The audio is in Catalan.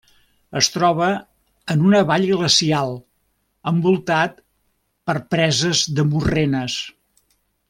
Es troba en una vall glacial, envoltat per preses de morrenes.